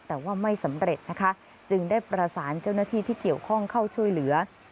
แต่ว่าไม่สำเร็จนะคะจึงได้ประสานเจ้าหน้าที่ที่เกี่ยวข้องเข้าช่วยเหลือ